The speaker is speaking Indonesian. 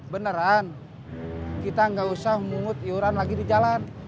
beneran kita gak usah muut iuran lagi di jalan